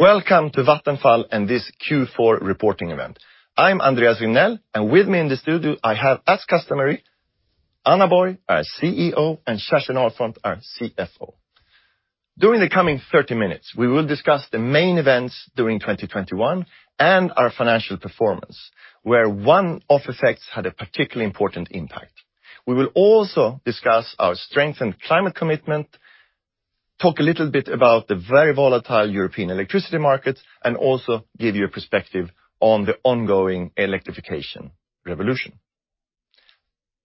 Welcome to Vattenfall and this Q4 reporting event. I'm Andreas Regnell, and with me in the studio, I have, as customary, Anna Borg, our CEO, and Kerstin Ahlfont, our CFO. During the coming 30 minutes, we will discuss the main events during 2021 and our financial performance, where one-off effects had a particularly important impact. We will also discuss our strength and climate commitment, talk a little bit about the very volatile European electricity market, and also give you a perspective on the ongoing electrification revolution.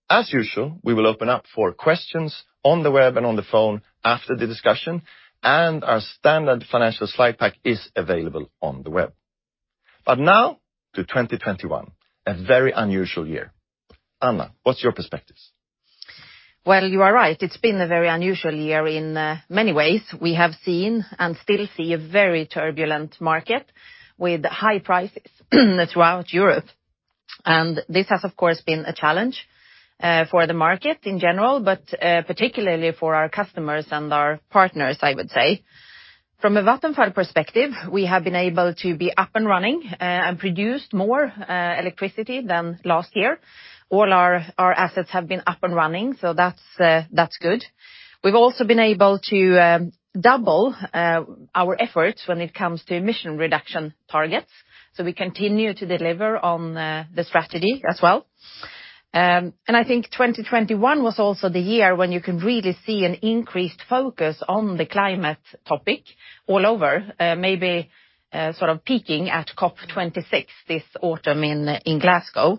As usual, we will open up for questions on the web and on the phone after the discussion, and our standard financial slide pack is available on the web. Now to 2021, a very unusual year. Anna, what's your perspective? Well, you are right. It's been a very unusual year in many ways. We have seen and still see a very turbulent market with high prices throughout Europe. This has, of course, been a challenge for the market in general, but particularly for our customers and our partners, I would say. From a Vattenfall perspective, we have been able to be up and running and produced more electricity than last year. All our assets have been up and running, so that's good. We've also been able to double our efforts when it comes to emission reduction targets. We continue to deliver on the strategy as well. I think 2021 was also the year when you can really see an increased focus on the climate topic all over, maybe sort of peaking at COP26 this autumn in Glasgow.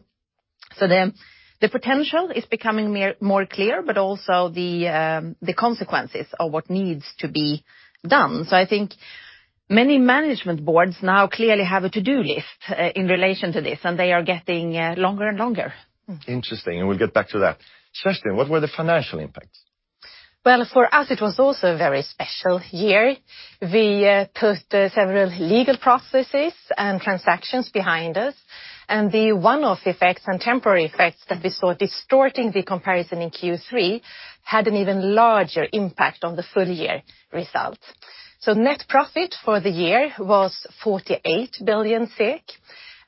The potential is becoming more clear, but also the consequences of what needs to be done. I think many management boards now clearly have a to-do list in relation to this, and they are getting longer and longer. Interesting. We'll get back to that. Kerstin, what were the financial impacts? Well, for us, it was also a very special year. We put several legal processes and transactions behind us, and the one-off effects and temporary effects that we saw distorting the comparison in Q3 had an even larger impact on the full year results. Net profit for the year was 48 billion SEK,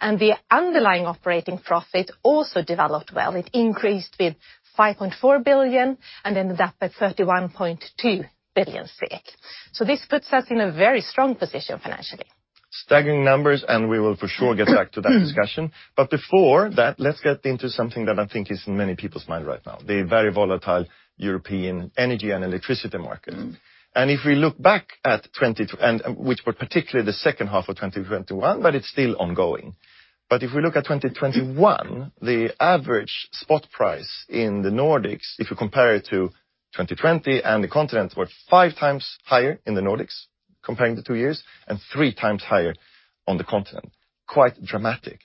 and the underlying operating profit also developed well. It increased with 5.4 billion and ended up at 31.2 billion. This puts us in a very strong position financially. Staggering numbers, and we will for sure get back to that discussion. Before that, let's get into something that I think is in many people's mind right now, the very volatile European energy and electricity market. If we look back, which were particularly the second half of 2021, but it's still ongoing. If we look at 2021, the average spot price in the Nordics, if you compare it to 2020 and the continent, were five times higher in the Nordics comparing the two years and three times higher on the continent. Quite dramatic.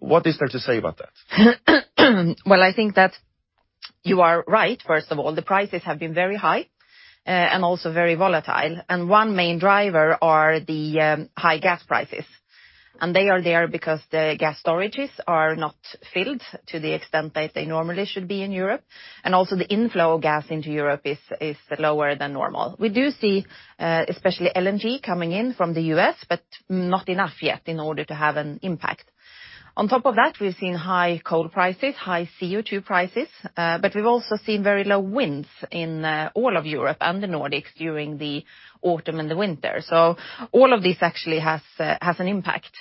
What is there to say about that? Well, I think that you are right, first of all. The prices have been very high, and also very volatile. One main driver are the high gas prices. They are there because the gas storages are not filled to the extent that they normally should be in Europe. Also the inflow of gas into Europe is lower than normal. We do see especially LNG coming in from the U.S., but not enough yet in order to have an impact. On top of that, we've seen high coal prices, high CO2 prices, but we've also seen very low winds in all of Europe and the Nordics during the autumn and the winter. All of this actually has an impact.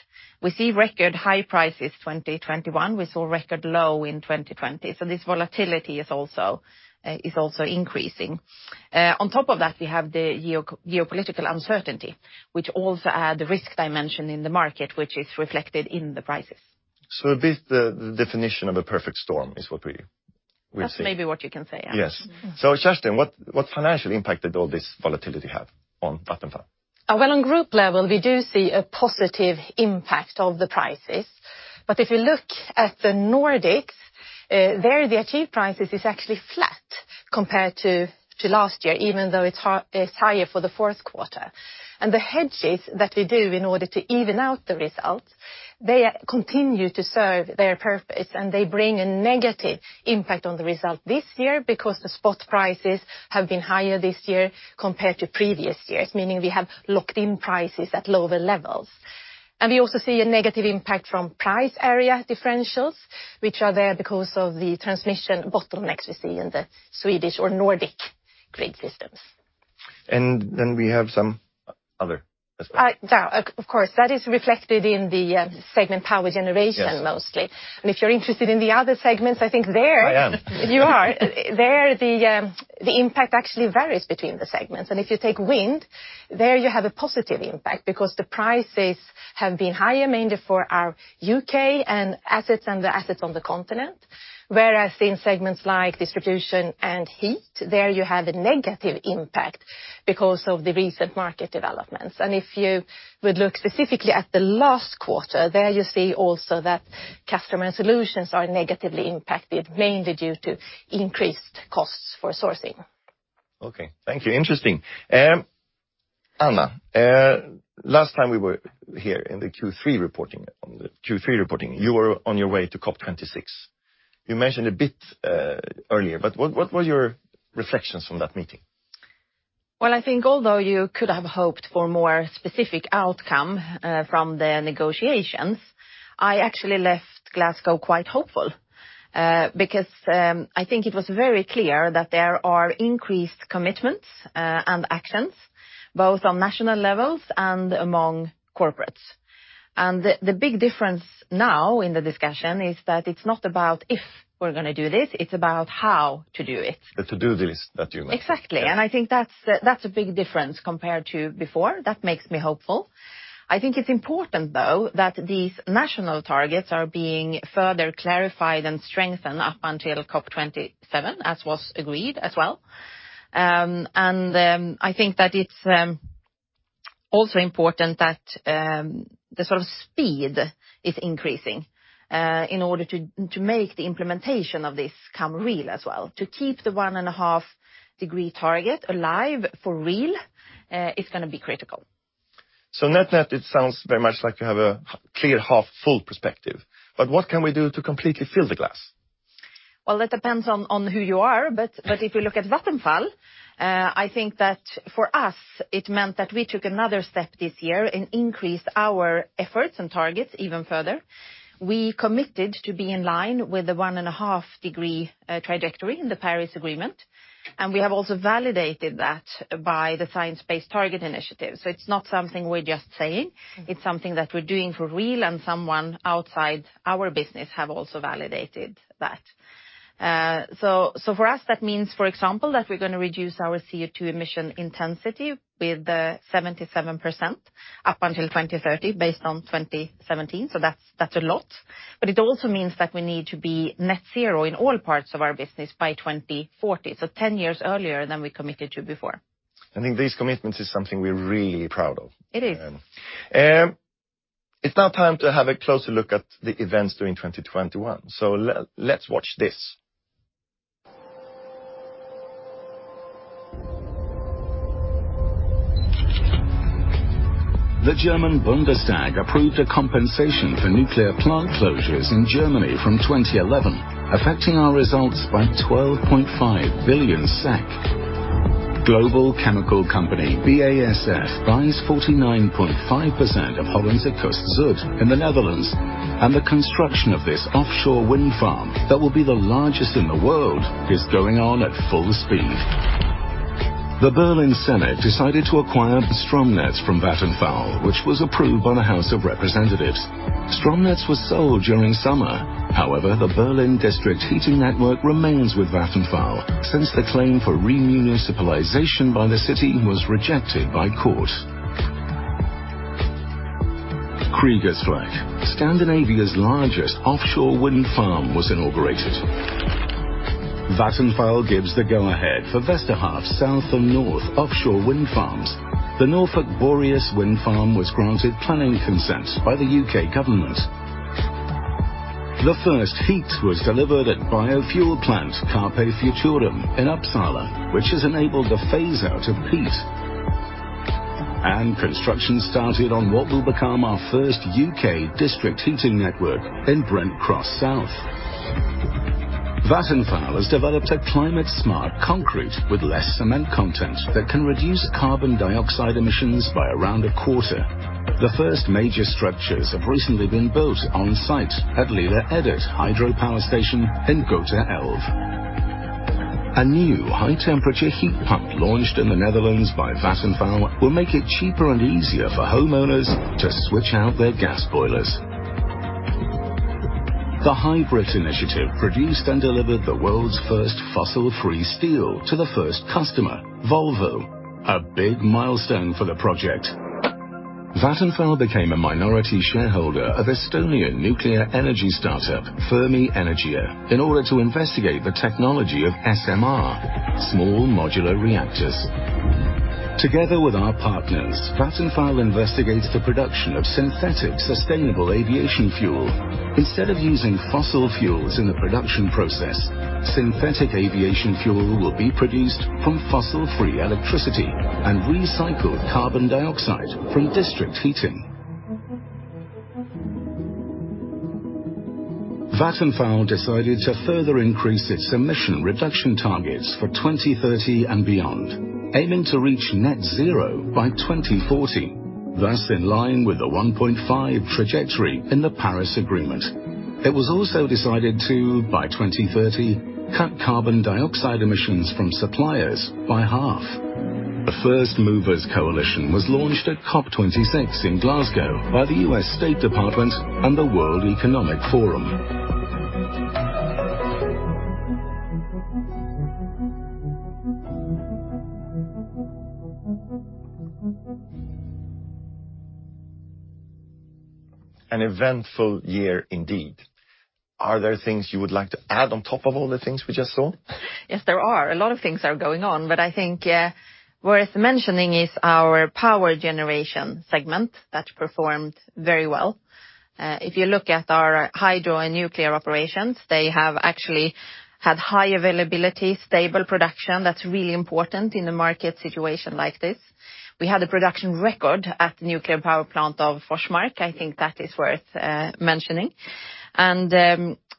We see record high prices, 2021. We saw record low in 2020. This volatility is also increasing. On top of that, we have the geopolitical uncertainty, which also adds the risk dimension in the market, which is reflected in the prices. The definition of a perfect storm is what we see. That's maybe what you can say, yeah. Yes. Kerstin, what financial impact did all this volatility have on Vattenfall? Well, on group level, we do see a positive impact of the prices. If you look at the Nordics, there the achieved prices is actually flat compared to last year, even though it's higher for the fourth quarter. The hedges that we do in order to even out the results, they continue to serve their purpose, and they bring a negative impact on the result this year because the spot prices have been higher this year compared to previous years, meaning we have locked in prices at lower levels. We also see a negative impact from price area differentials, which are there because of the transmission bottlenecks we see in the Swedish or Nordic grid systems. We have some other as well. Yeah, of course. That is reflected in the segment Power Generation- Yes mostly. If you're interested in the other segments, I think there- I am. the impact actually varies between the segments. If you take wind, there you have a positive impact because the prices have been higher mainly for our UK assets and the assets on the continent. Whereas in segments like distribution and heat, there you have a negative impact because of the recent market developments. If you would look specifically at the last quarter, there you see also that customer solutions are negatively impacted, mainly due to increased costs for sourcing. Okay. Thank you. Interesting. Anna, last time we were here in the Q3 reporting, you were on your way to COP26. You mentioned a bit earlier, but what was your reflections from that meeting. Well, I think although you could have hoped for more specific outcome from the negotiations, I actually left Glasgow quite hopeful. Because, I think it was very clear that there are increased commitments and actions both on national levels and among corporates. The big difference now in the discussion is that it's not about if we're gonna do this, it's about how to do it. The to-do list that you mentioned. Exactly. I think that's a big difference compared to before. That makes me hopeful. I think it's important, though, that these national targets are being further clarified and strengthened up until COP27, as was agreed as well. I think that it's also important that the sort of speed is increasing in order to make the implementation of this come real as well. To keep the 1.5 degree target alive for real is gonna be critical. Net net, it sounds very much like you have a half-full perspective. What can we do to completely fill the glass? Well, it depends on who you are, but if you look at Vattenfall, I think that for us it meant that we took another step this year and increased our efforts and targets even further. We committed to be in line with the 1.5-degree trajectory in the Paris Agreement, and we have also validated that by the Science Based Targets initiative. It's not something we're just saying, it's something that we're doing for real, and someone outside our business have also validated that. For us, that means, for example, that we're gonna reduce our CO2 emission intensity with 77% up until 2030 based on 2017, so that's a lot. It also means that we need to be net zero in all parts of our business by 2040, so 10 years earlier than we committed to before. I think this commitment is something we're really proud of. It is. It's now time to have a closer look at the events during 2021. Let's watch this. The German Bundestag approved a compensation for nuclear plant closures in Germany from 2011, affecting our results by 12.5 billion SEK. Global chemical company BASF buys 49.5% of Hollandse Kust Zuid in the Netherlands, and the construction of this offshore wind farm that will be the largest in the world is going on at full speed. The Berlin Senate decided to acquire Stromnetz from Vattenfall, which was approved by the House of Representatives. Stromnetz was sold during summer. However, the Berlin district heating network remains with Vattenfall since the claim for remunicipalization by the city was rejected by court. Kriegers Flak, Scandinavia's largest offshore wind farm, was inaugurated. Vattenfall gives the go-ahead for Vesterhav Syd and Nord offshore wind farms. The Norfolk Boreas wind farm was granted planning consent by the U.K. government. The first heat was delivered at biofuel plant Carpe Futurum in Uppsala, which has enabled the phase-out of peat. Construction started on what will become our first U.K. district heating network in Brent Cross South. Vattenfall has developed a climate-smart concrete with less cement content that can reduce carbon dioxide emissions by around a quarter. The first major structures have recently been built on-site at Lilla Edet hydropower station in Göta Älv. A new high-temperature heat pump launched in the Netherlands by Vattenfall will make it cheaper and easier for homeowners to switch out their gas boilers. The HYBRIT initiative produced and delivered the world's first fossil-free steel to the first customer, Volvo, a big milestone for the project. Vattenfall became a minority shareholder of Estonian nuclear energy startup Fermi Energia in order to investigate the technology of SMR, small modular reactors. Together with our partners, Vattenfall investigates the production of synthetic, sustainable aviation fuel. Instead of using fossil fuels in the production process, synthetic aviation fuel will be produced from fossil-free electricity and recycled carbon dioxide from district heating. Vattenfall decided to further increase its emission reduction targets for 2030 and beyond, aiming to reach net zero by 2040, thus in line with the 1.5 trajectory in the Paris Agreement. It was also decided to, by 2030, cut carbon dioxide emissions from suppliers by half. The First Movers Coalition was launched at COP26 in Glasgow by the U.S. Department of State and the World Economic Forum. An eventful year indeed. Are there things you would like to add on top of all the things we just saw? Yes, there are. A lot of things are going on, but I think worth mentioning is our power generation segment that performed very well. If you look at our hydro and nuclear operations, they have actually had high availability, stable production. That's really important in a market situation like this. We had a production record at nuclear power plant of Forsmark. I think that is worth mentioning.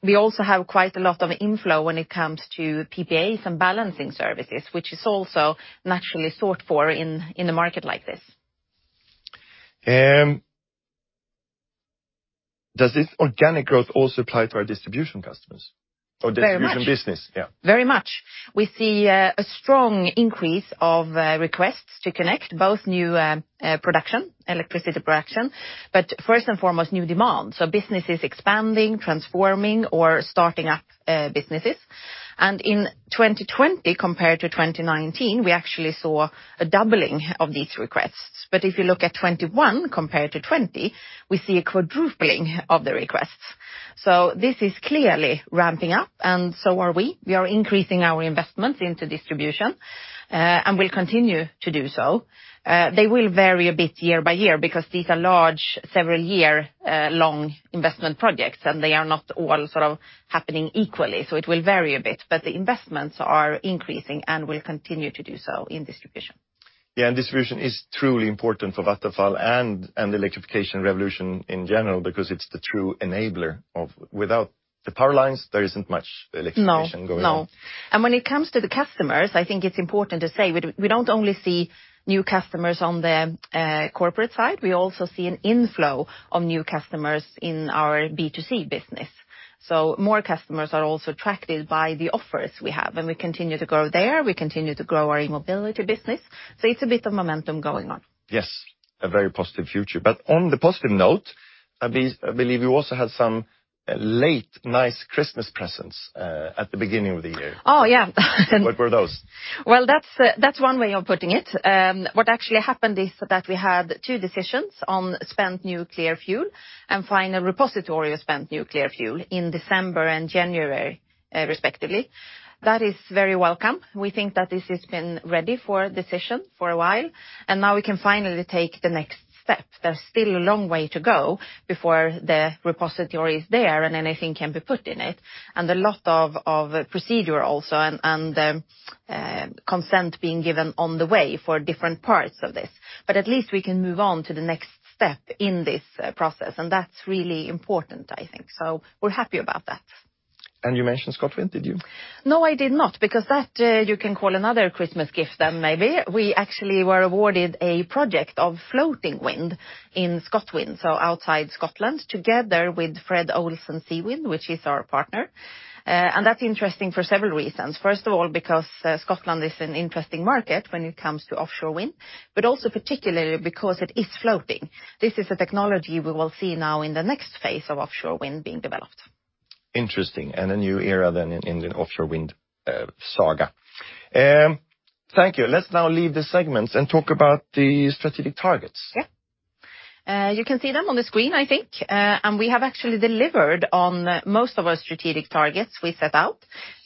We also have quite a lot of inflow when it comes to PPAs and balancing services, which is also naturally sought for in a market like this. Does this organic growth also apply to our distribution customers? Very much. or distribution business? Yeah. Very much. We see a strong increase of requests to connect both new production, electricity production, but first and foremost, new demand. Business is expanding, transforming, or starting up businesses. In 2020 compared to 2019, we actually saw a doubling of these requests. If you look at 2021 compared to 2020, we see a quadrupling of the requests. This is clearly ramping up, and so are we. We are increasing our investments into distribution, and we'll continue to do so. They will vary a bit year by year because these are large, several year long investment projects, and they are not all sort of happening equally, so it will vary a bit. The investments are increasing and will continue to do so in distribution. Distribution is truly important for Vattenfall and the electrification revolution in general because it's the true enabler. Without the power lines, there isn't much electrification going on. No, no. When it comes to the customers, I think it's important to say, we don't only see new customers on the corporate side, we also see an inflow of new customers in our B2C business. More customers are also attracted by the offers we have, and we continue to grow there, we continue to grow our eMobility business, so it's a bit of momentum going on. Yes, a very positive future. On the positive note, I believe you also had some late nice Christmas presents at the beginning of the year. Oh, yeah. What were those? Well, that's one way of putting it. What actually happened is that we had two decisions on spent nuclear fuel and finding a repository for spent nuclear fuel in December and January, respectively. That is very welcome. We think that this has been ready for decision for a while, and now we can finally take the next step. There's still a long way to go before the repository is there and anything can be put in it, and a lot of procedure also and consent being given on the way for different parts of this. But at least we can move on to the next step in this process, and that's really important, I think. We're happy about that. You mentioned ScotWind, did you? No, I did not, because that, you can call another Christmas gift then maybe. We actually were awarded a project of floating wind in ScotWind, so outside Scotland, together with Fred. Olsen Seawind, which is our partner. That's interesting for several reasons. First of all, because, Scotland is an interesting market when it comes to offshore wind, but also particularly because it is floating. This is a technology we will see now in the next phase of offshore wind being developed. Interesting, a new era then in the offshore wind saga. Thank you. Let's now leave the segments and talk about the strategic targets. Yeah. You can see them on the screen, I think. We have actually delivered on most of our strategic targets we set out.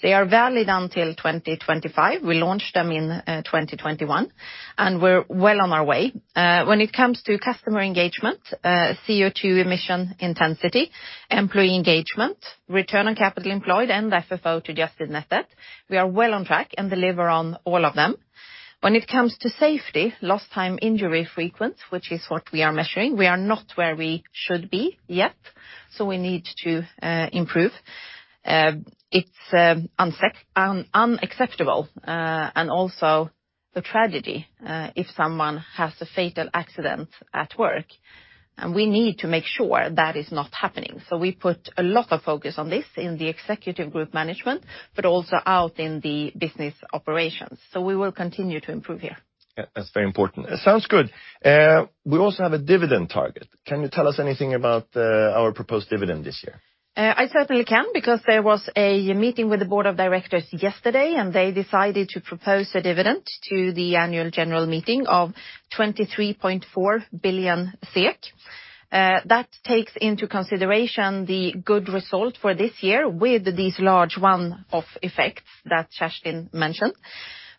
They are valid until 2025. We launched them in 2021, and we're well on our way. When it comes to customer engagement, CO2 emission intensity, employee engagement, Return on Capital Employed, and FFO to adjusted net debt, we are well on track and deliver on all of them. When it comes to safety, Lost Time Injury Frequency, which is what we are measuring, we are not where we should be yet, so we need to improve. It's unacceptable, and also a tragedy if someone has a fatal accident at work, and we need to make sure that is not happening. We put a lot of focus on this in the executive group management, but also out in the business operations. We will continue to improve here. Yeah, that's very important. It sounds good. We also have a dividend target. Can you tell us anything about our proposed dividend this year? I certainly can because there was a meeting with the board of directors yesterday, and they decided to propose a dividend to the annual general meeting of 23.4 billion SEK. That takes into consideration the good result for this year with these large one-off effects that Kerstin mentioned,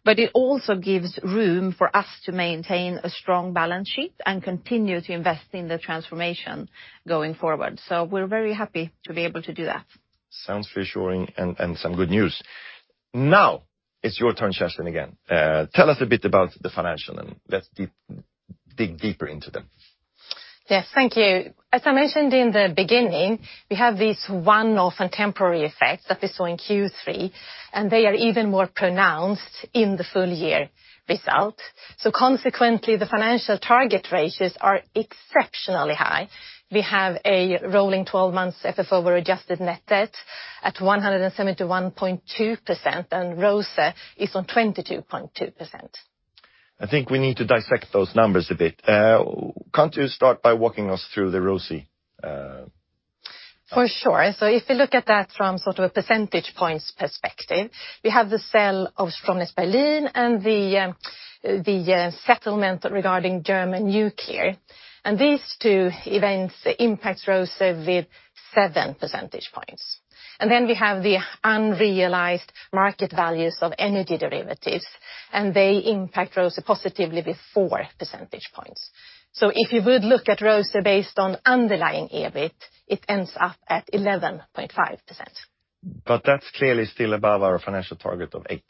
but it also gives room for us to maintain a strong balance sheet and continue to invest in the transformation going forward. We're very happy to be able to do that. Sounds reassuring and some good news. Now it's your turn, Kerstin, again. Tell us a bit about the financials and let's dig deeper into them. Yes, thank you. As I mentioned in the beginning, we have these one-off and temporary effects that we saw in Q3, and they are even more pronounced in the full year result. Consequently, the financial target ratios are exceptionally high. We have a rolling 12 months FFO over adjusted net debt at 171.2%, and ROCE is at 22.2%. I think we need to dissect those numbers a bit. Can't you start by walking us through the ROCE, For sure. If you look at that from sort of a percentage points perspective, we have the sale of Stromnetz Berlin and the settlement regarding German nuclear. These two events impact ROCE with seven percentage points. Then we have the unrealized market values of energy derivatives, and they impact ROCE positively with four percentage points. If you would look at ROCE based on underlying EBIT, it ends up at 11.5%. that's clearly still above our financial target of 8.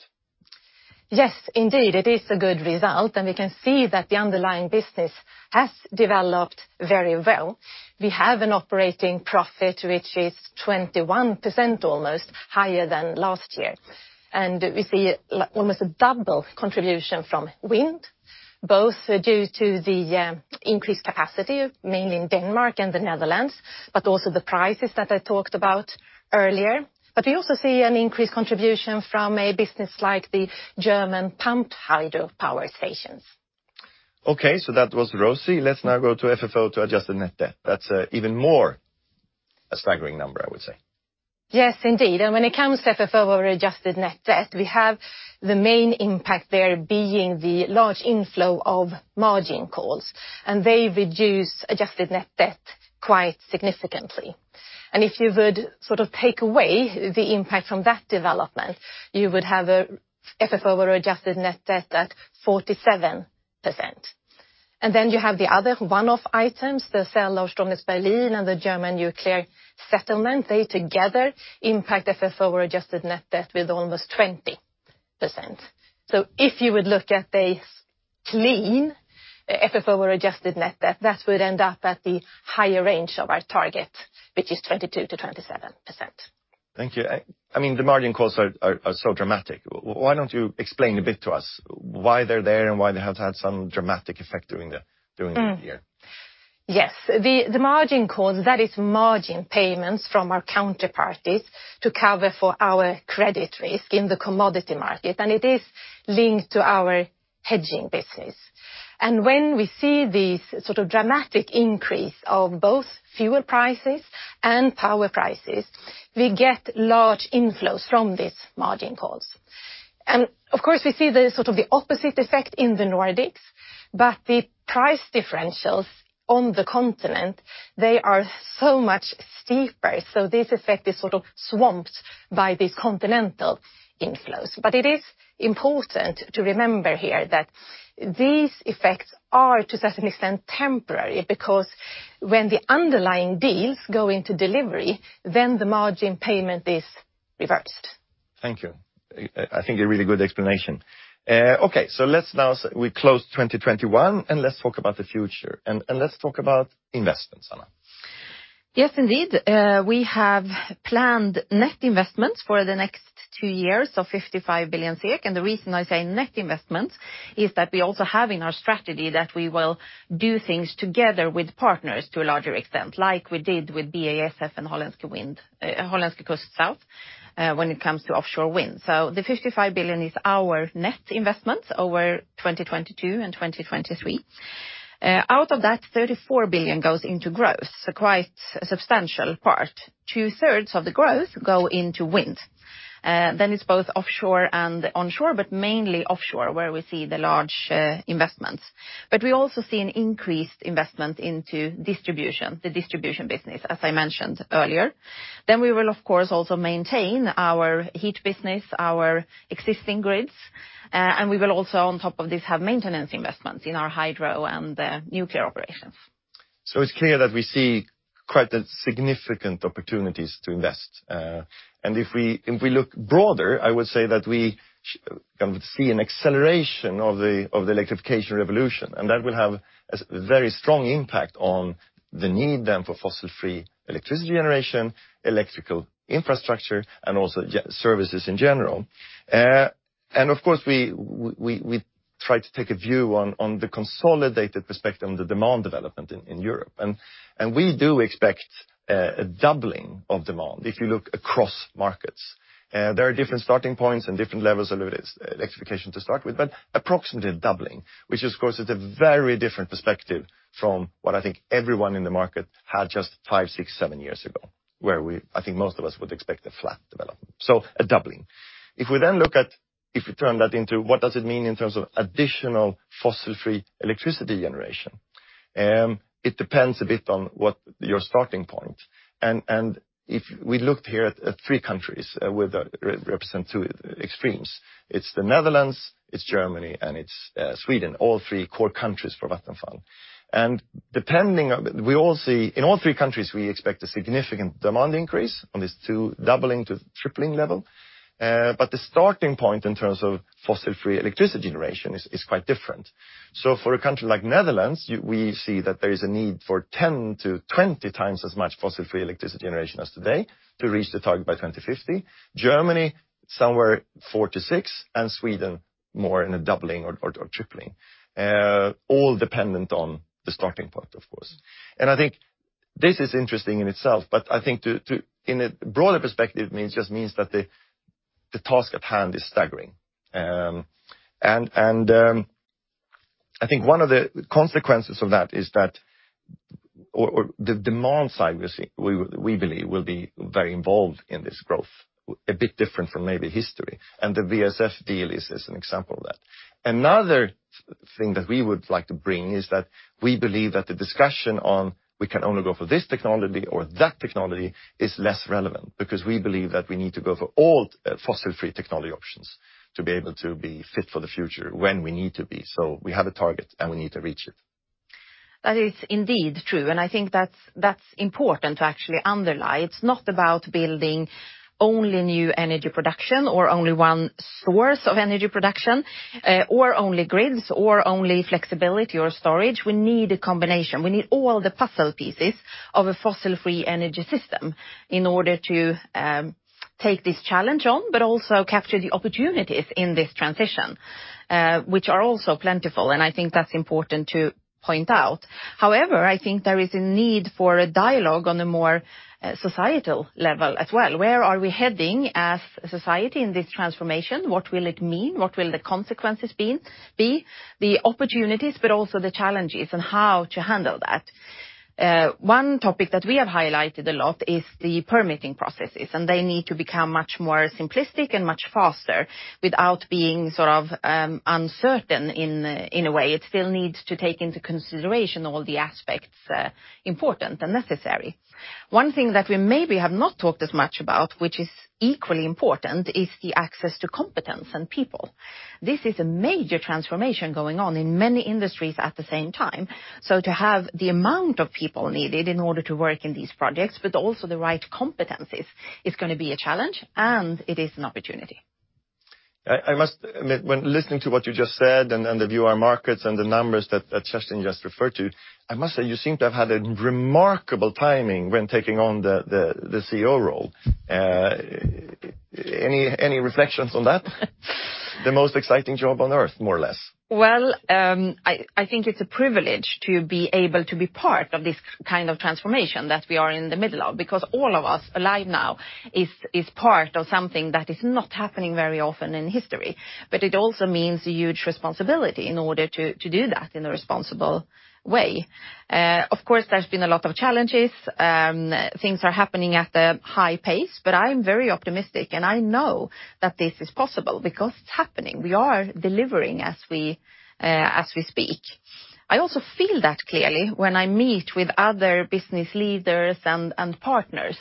Yes, indeed, it is a good result, and we can see that the underlying business has developed very well. We have an operating profit which is 21% almost higher than last year, and we see almost double contribution from wind. Both due to the increased capacity, mainly in Denmark and the Netherlands, but also the prices that I talked about earlier. We also see an increased contribution from a business like the German pumped hydro power stations. Okay, that was ROCE. Let's now go to FFO to adjusted net debt. That's even more a staggering number, I would say. Yes, indeed. When it comes to FFO or adjusted net debt, we have the main impact there being the large inflow of margin calls, and they reduce adjusted net debt quite significantly. If you would sort of take away the impact from that development, you would have a FFO or adjusted net debt at 47%. Then you have the other one-off items, the sale of Stromnetz Berlin and the German nuclear settlement. They together impact FFO or adjusted net debt with almost 20%. If you would look at a clean FFO or adjusted net debt, that would end up at the higher range of our target, which is 22%-27%. Thank you. I mean, the margin calls are so dramatic. Why don't you explain a bit to us why they're there and why they have had some dramatic effect during the year? Yes. The margin calls, that is margin payments from our counterparties to cover for our credit risk in the commodity market, and it is linked to our hedging business. When we see these sort of dramatic increase of both fuel prices and power prices, we get large inflows from these margin calls. Of course, we see the sort of opposite effect in the Nordics, but the price differentials on the continent, they are so much steeper, so this effect is sort of swamped by these continental inflows. It is important to remember here that these effects are, to a certain extent, temporary, because when the underlying deals go into delivery, then the margin payment is reversed. Thank you. I think a really good explanation. Okay, let's now, we close 2021, and let's talk about the future and let's talk about investments, Anna. Yes, indeed. We have planned net investments for the next two years of 55 billion, and the reason I say net investments is that we also have in our strategy that we will do things together with partners to a larger extent, like we did with BASF and Hollandse Kust Zuid, when it comes to offshore wind. The 55 billion is our net investments over 2022 and 2023. Out of that, 34 billion goes into growth, so quite a substantial part. Two-thirds of the growth go into wind. Then it's both offshore and onshore, but mainly offshore, where we see the large investments. We also see an increased investment into distribution, the distribution business, as I mentioned earlier. We will of course also maintain our heat business, our existing grids, and we will also on top of this have maintenance investments in our hydro and the nuclear operations. It's clear that we see quite a significant opportunities to invest. If we look broader, I would say that we can see an acceleration of the electrification revolution, and that will have a very strong impact on the need then for fossil-free electricity generation, electrical infrastructure, and also services in general. Of course, we try to take a view on the consolidated perspective on the demand development in Europe. We do expect a doubling of demand if you look across markets. There are different starting points and different levels of electrification to start with, but approximately a doubling, which of course is a very different perspective from what I think everyone in the market had just five, six, seven years ago, where we, I think most of us would expect a flat development. A doubling. If we then look at, if we turn that into what does it mean in terms of additional fossil-free electricity generation, it depends a bit on what your starting point. And if we looked here at three countries with the represent two extremes, it's the Netherlands, it's Germany, and it's Sweden, all three core countries for Vattenfall. And depending on, we all see, in all three countries, we expect a significant demand increase on this two, doubling to tripling level. The starting point in terms of fossil-free electricity generation is quite different. For a country like Netherlands, we see that there is a need for 10x-20x as much fossil-free electricity generation as today to reach the target by 2050. Germany, somewhere 4x-6x, and Sweden more in a 2x-3x. All dependent on the starting point, of course. I think this is interesting in itself, but I think in a broader perspective, it means that the task at hand is staggering. I think one of the consequences of that is that the demand side we believe will be very involved in this growth, a bit different from maybe history. The VSF deal is an example of that. Another thing that we would like to bring is that we believe that the discussion on we can only go for this technology or that technology is less relevant because we believe that we need to go for all fossil-free technology options to be able to be fit for the future when we need to be. We have a target, and we need to reach it. That is indeed true, and I think that's important to actually underline. It's not about building only new energy production or only one source of energy production, or only grids, or only flexibility or storage. We need a combination. We need all the puzzle pieces of a fossil-free energy system in order to take this challenge on, but also capture the opportunities in this transition, which are also plentiful, and I think that's important to point out. However, I think there is a need for a dialogue on a more societal level as well. Where are we heading as a society in this transformation? What will it mean? What will the consequences be? The opportunities, but also the challenges and how to handle that. One topic that we have highlighted a lot is the permitting processes, and they need to become much more simplistic and much faster without being sort of, uncertain in a way. It still needs to take into consideration all the aspects, important and necessary. One thing that we maybe have not talked as much about, which is equally important, is the access to competence and people. This is a major transformation going on in many industries at the same time. To have the amount of people needed in order to work in these projects, but also the right competencies, is gonna be a challenge, and it is an opportunity. I mean, when listening to what you just said and then the view on markets and the numbers that Kerstin just referred to, I must say you seem to have had a remarkable timing when taking on the CEO role. Any reflections on that? The most exciting job on Earth, more or less. Well, I think it's a privilege to be able to be part of this kind of transformation that we are in the middle of because all of us alive now is part of something that is not happening very often in history. It also means a huge responsibility in order to do that in a responsible way. Of course, there's been a lot of challenges, things are happening at a high pace, but I'm very optimistic and I know that this is possible because it's happening. We are delivering as we speak. I also feel that clearly when I meet with other business leaders and partners,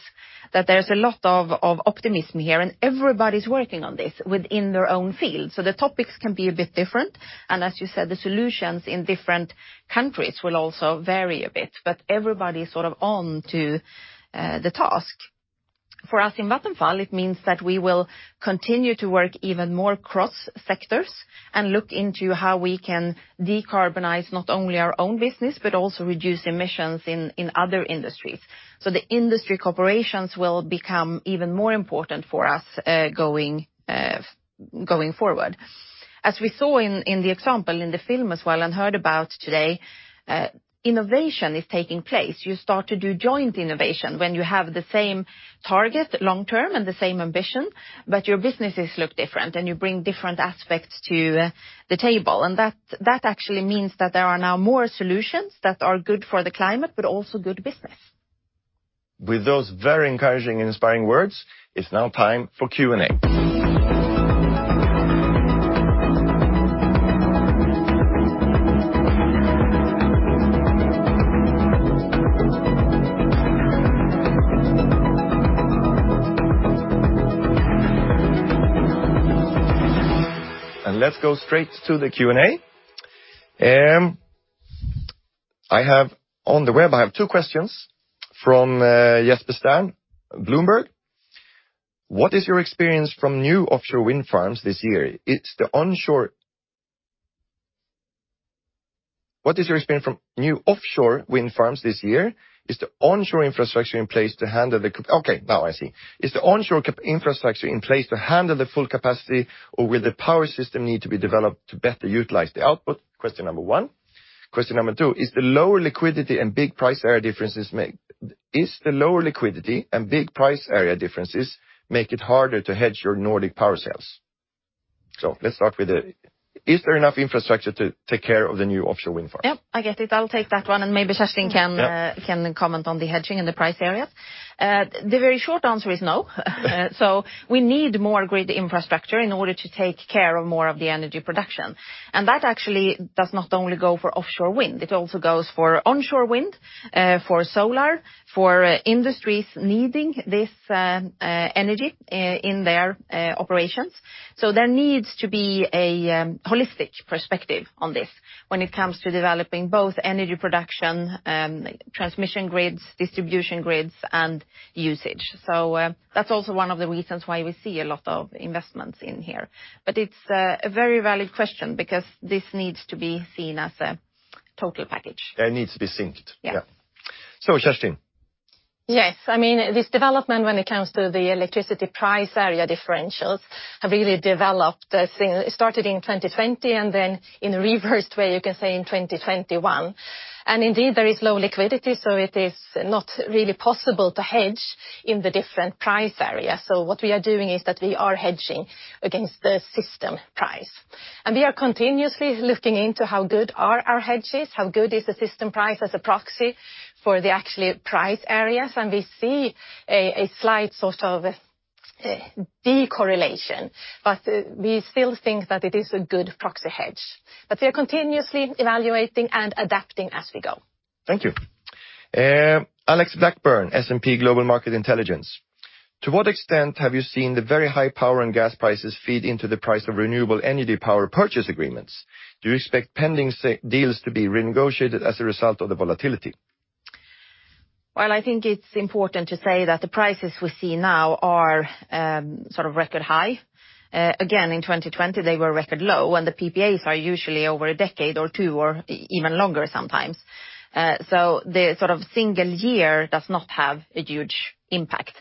that there's a lot of optimism here, and everybody's working on this within their own field. The topics can be a bit different, and as you said, the solutions in different countries will also vary a bit, but everybody is sort of on to the task. For us in Vattenfall, it means that we will continue to work even more cross-sectors and look into how we can decarbonize not only our own business, but also reduce emissions in other industries. The industry corporations will become even more important for us going forward. As we saw in the example in the film as well and heard about today, innovation is taking place. You start to do joint innovation when you have the same target long term and the same ambition, but your businesses look different and you bring different aspects to the table. That actually means that there are now more solutions that are good for the climate, but also good business. With those very encouraging and inspiring words, it's now time for Q&A. Let's go straight to the Q&A. I have two questions from Jesper Starn, Bloomberg. What is your experience from new offshore wind farms this year? Is the onshore infrastructure in place to handle the full capacity or will the power system need to be developed to better utilize the output? Question number one. Question number two, does the lower liquidity and big price area differentials make it harder to hedge your Nordic power sales? Let's start with the, is there enough infrastructure to take care of the new offshore wind farms? Yeah, I get it. I'll take that one, and maybe Kerstin can- Yeah. I can comment on the hedging and the price areas. The very short answer is no. We need more grid infrastructure in order to take care of more of the energy production. That actually does not only go for offshore wind, it also goes for onshore wind, for solar, for industries needing this, energy in their operations. There needs to be a holistic perspective on this when it comes to developing both energy production, transmission grids, distribution grids, and usage. That's also one of the reasons why we see a lot of investments in here. It's a very valid question because this needs to be seen as a total package. It needs to be synced. Yeah. Yeah. Kerstin. Yes. I mean, this development when it comes to the electricity price area differentials have really developed. It started in 2020, and then in a reversed way, you can say in 2021. Indeed, there is low liquidity, so it is not really possible to hedge in the different price areas. What we are doing is that we are hedging against the system price. We are continuously looking into how good are our hedges, how good is the system price as a proxy for the actual price areas. We see a slight sort of decorrelation, but we still think that it is a good proxy hedge. We are continuously evaluating and adapting as we go. Thank you. Alex Blackburn, S&P Global Market Intelligence. To what extent have you seen the very high power and gas prices feed into the price of renewable energy power purchase agreements? Do you expect pending S-deals to be renegotiated as a result of the volatility? Well, I think it's important to say that the prices we see now are sort of record high. Again, in 2020 they were record low, and the PPAs are usually over a decade or two or even longer sometimes. So the sort of single year does not have a huge impact,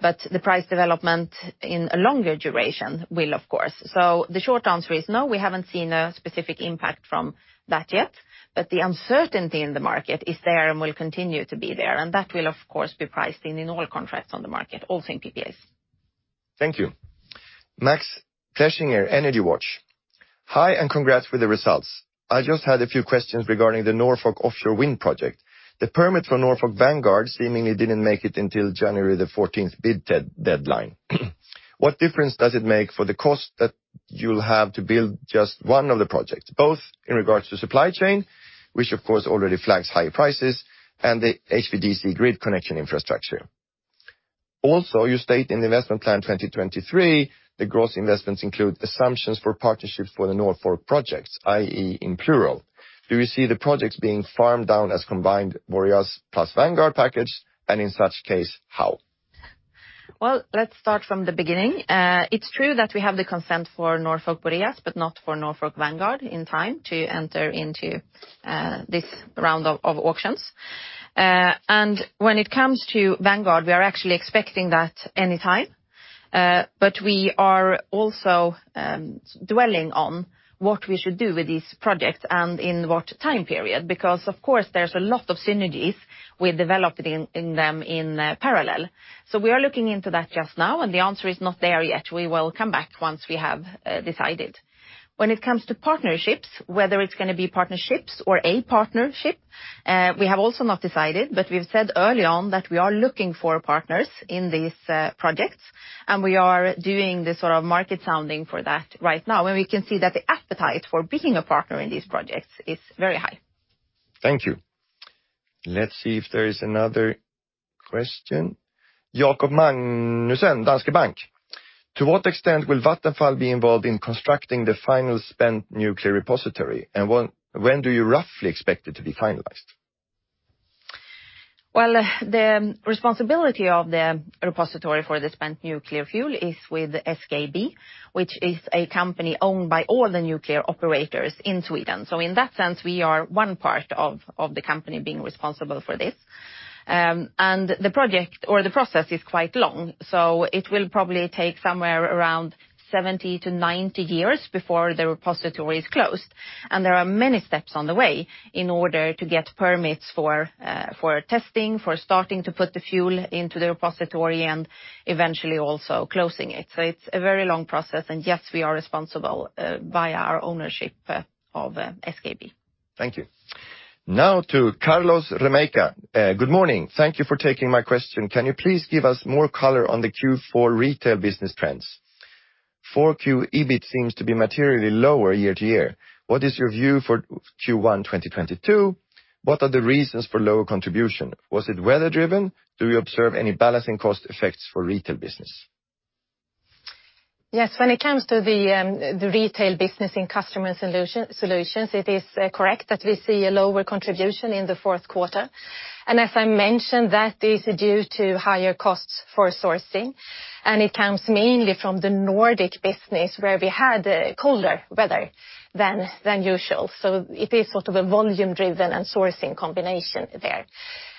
but the price development in a longer duration will, of course. The short answer is no, we haven't seen a specific impact from that yet, but the uncertainty in the market is there and will continue to be there, and that will of course be priced in all contracts on the market, also in PPAs. Thank you. Max Plässinger, EnergyWatch. Hi, and congrats with the results. I just had a few questions regarding the Norfolk offshore wind project. The permit for Norfolk Vanguard seemingly didn't make it until January the fourteenth bid deadline. What difference does it make for the cost that you'll have to build just one of the projects, both in regards to supply chain, which of course already flags high prices, and the HVDC grid connection infrastructure? Also, you state in the investment plan 2023 the gross investments include assumptions for partnerships for the Norfolk projects, i.e. in plural. Do you see the projects being farmed down as combined Boreas plus Vanguard package? In such case, how? Well, let's start from the beginning. It's true that we have the consent for Norfolk Boreas, but not for Norfolk Vanguard in time to enter into this round of auctions. When it comes to Vanguard, we are actually expecting that any time, but we are also dwelling on what we should do with these projects and in what time period, because of course there's a lot of synergies we developed in them in parallel. We are looking into that just now, and the answer is not there yet. We will come back once we have decided. When it comes to partnerships, whether it's gonna be partnerships or a partnership, we have also not decided, but we've said early on that we are looking for partners in these projects, and we are doing the sort of market sounding for that right now, and we can see that the appetite for being a partner in these projects is very high. Thank you. Let's see if there is another question. Jakob Magnussen, Danske Bank. To what extent will Vattenfall be involved in constructing the final spent nuclear repository, and when do you roughly expect it to be finalized? Well, the responsibility of the repository for the spent nuclear fuel is with SKB, which is a company owned by all the nuclear operators in Sweden. In that sense, we are one part of the company being responsible for this. The project or the process is quite long, so it will probably take somewhere around 70 years-90 years before the repository is closed, and there are many steps on the way in order to get permits for testing, for starting to put the fuel into the repository, and eventually also closing it. It's a very long process, and yes, we are responsible via our ownership of SKB. Thank you. Now to Carlos Remeika. Good morning. Thank you for taking my question. Can you please give us more color on the Q4 retail business trends? Q4 EBIT seems to be materially lower year-over-year. What is your view for Q1 2022? What are the reasons for lower contribution? Was it weather driven? Do you observe any balancing cost effects for retail business? Yes. When it comes to the retail business in customer solutions, it is correct that we see a lower contribution in the fourth quarter. As I mentioned, that is due to higher costs for sourcing, and it comes mainly from the Nordic business where we had colder weather than usual. It is sort of a volume-driven and sourcing combination there.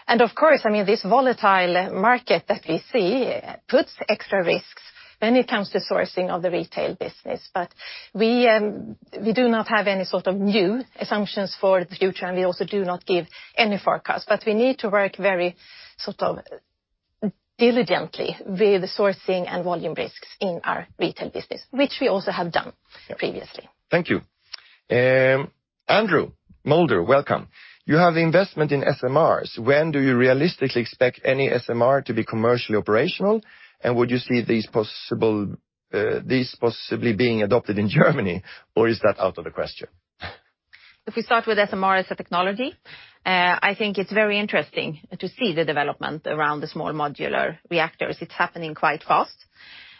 Of course, I mean, this volatile market that we see puts extra risks when it comes to sourcing of the retail business. We do not have any sort of new assumptions for the future, and we also do not give any forecast. We need to work very sort of diligently with sourcing and volume risks in our retail business, which we also have done previously. Thank you. Andrew Moulder, welcome. You have investment in SMRs. When do you realistically expect any SMR to be commercially operational, and would you see these possibly being adopted in Germany, or is that out of the question? If we start with SMR as a technology, I think it's very interesting to see the development around the small modular reactors. It's happening quite fast,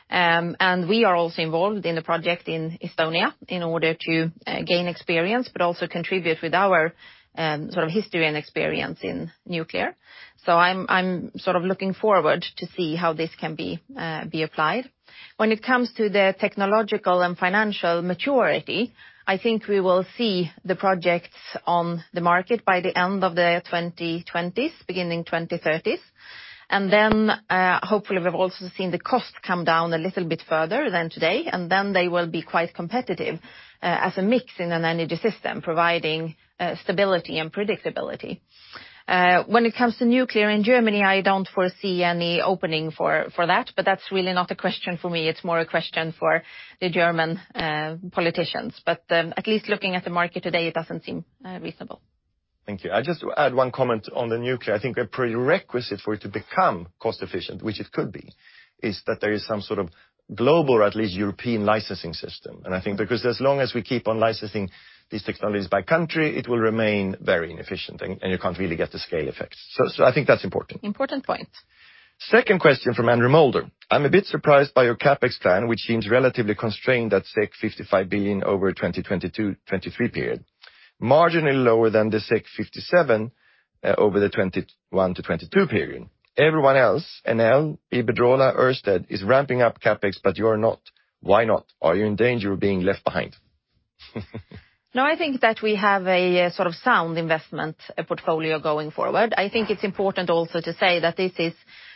and we are also involved in a project in Estonia in order to gain experience, but also contribute with our sort of history and experience in nuclear. I'm sort of looking forward to see how this can be applied. When it comes to the technological and financial maturity, I think we will see the projects on the market by the end of the 2020s, beginning 2030s. Then, hopefully we've also seen the costs come down a little bit further than today, and then they will be quite competitive as a mix in an energy system providing stability and predictability. When it comes to nuclear in Germany, I don't foresee any opening for that, but that's really not a question for me. It's more a question for the German politicians. At least looking at the market today, it doesn't seem reasonable. Thank you. I'll just add one comment on the nuclear. I think a prerequisite for it to become cost efficient, which it could be, is that there is some sort of global or at least European licensing system, and I think because as long as we keep on licensing these technologies by country, it will remain very inefficient and you can't really get the scale effects. I think that's important. Important point. Second question from Andrew Moulder. I'm a bit surprised by your CapEx plan, which seems relatively constrained at 55 billion over a 2022-2023 period. Marginally lower than the 57 billion over the 2021-2022 period. Everyone else, Enel, Iberdrola, Ørsted, is ramping up CapEx, but you're not. Why not? Are you in danger of being left behind? No, I think that we have a sort of sound investment portfolio going forward. I think it's important also to say that this is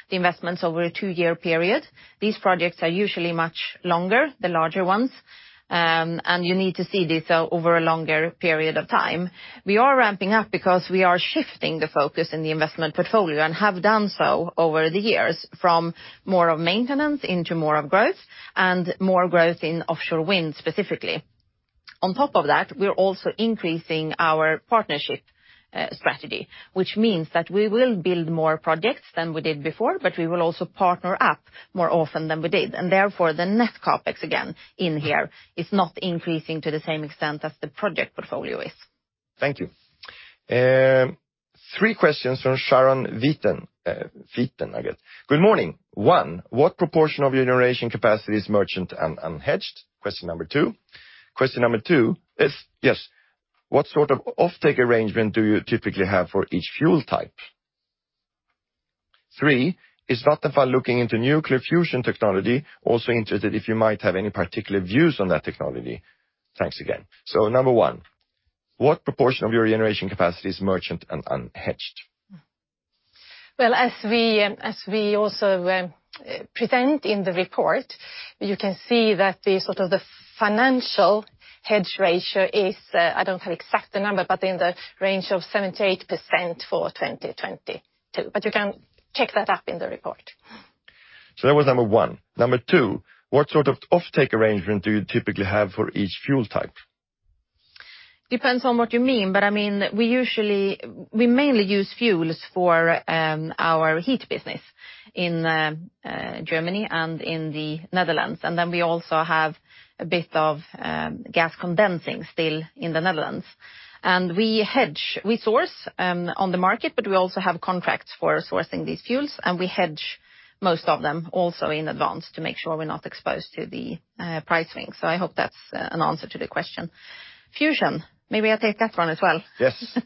the investments over a two-year period. These projects are usually much longer, the larger ones, and you need to see this over a longer period of time. We are ramping up because we are shifting the focus in the investment portfolio and have done so over the years from more of maintenance into more of growth and more growth in offshore wind, specifically. On top of that, we're also increasing our partnership strategy, which means that we will build more projects than we did before, but we will also partner up more often than we did. Therefore, the net CapEx again in here is not increasing to the same extent as the project portfolio is. Thank you. Three questions from Sharon [Witan], I guess. Good morning. One, what proportion of your generation capacity is merchant and unhedged? Question number two is, yes, what sort of offtake arrangement do you typically have for each fuel type? Three, is Vattenfall looking into nuclear fusion technology? Also interested if you might have any particular views on that technology. Thanks again. Number one, what proportion of your generation capacity is merchant and unhedged? Well, as we also present in the report, you can see that the sort of the financial hedge ratio is, I don't have the exact number, but in the range of 78% for 2022. You can check that up in the report. That was number one. Number two, what sort of offtake arrangement do you typically have for each fuel type? Depends on what you mean, but I mean, we mainly use fuels for our heat business in Germany and in the Netherlands. We also have a bit of gas condensing still in the Netherlands. We source on the market, but we also have contracts for sourcing these fuels, and we hedge most of them also in advance to make sure we're not exposed to the price swing. I hope that's an answer to the question. Fusion. Maybe I take that one as well. Yes.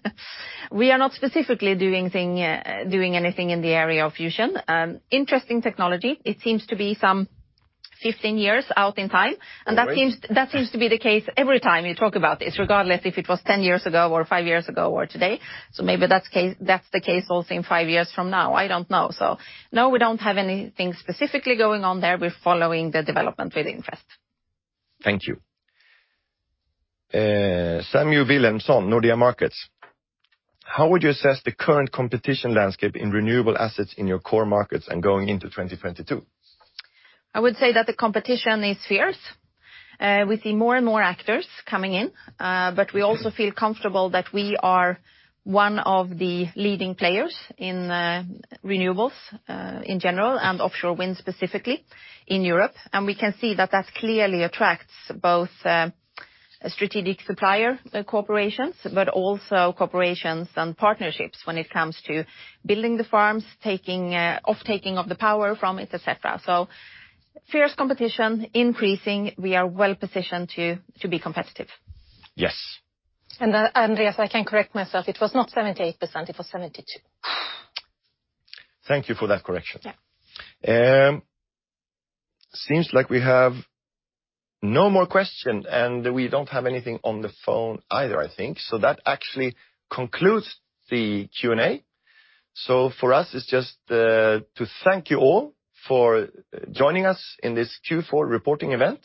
We are not specifically doing anything in the area of fusion. Interesting technology. It seems to be some 15 years out in time. That seems to be the case every time you talk about this, regardless if it was 10 years ago or five years ago or today. Maybe that's the case also in five years from now. I don't know. No, we don't have anything specifically going on there. We're following the development with interest. Thank you. Samu Wilhelmsson, Nordea Markets. How would you assess the current competition landscape in renewable assets in your core markets and going into 2022? I would say that the competition is fierce. We see more and more actors coming in, but we also feel comfortable that we are one of the leading players in renewables, in general and offshore wind, specifically in Europe. We can see that that clearly attracts both strategic supplier corporations, but also corporations and partnerships when it comes to building the farms, taking offtake of the power from it, et cetera. Fierce competition increasing, we are well-positioned to be competitive. Yes. Andreas, I can correct myself. It was not 78%, it was 72%. Thank you for that correction. Yeah. Seems like we have no more question, and we don't have anything on the phone either, I think. That actually concludes the Q&A. For us, it's just to thank you all for joining us in this Q4 reporting event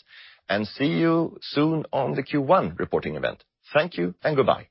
and see you soon on the Q1 reporting event. Thank you and goodbye.